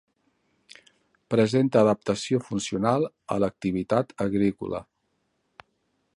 Presenta adaptació funcional a l'activitat agrícola.